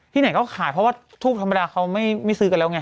ไหนก็ขายเพราะว่าทูปธรรมดาเขาไม่ซื้อกันแล้วไง